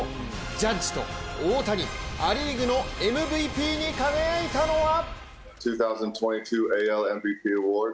ジャッジと大谷、ア・リーグのＭＶＰに輝いたのは？